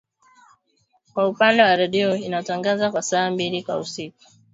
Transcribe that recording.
Kwa upande wa redio inatangaza kwa saa mbili kwa siku